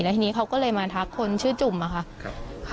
ทีนี้เขาก็เลยมาทักคนชื่อจุ่มอะค่ะ